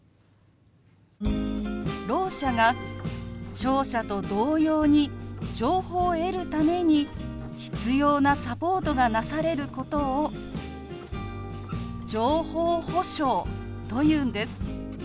ろう者が聴者と同様に情報を得るために必要なサポートがなされることを「情報保障」というんです。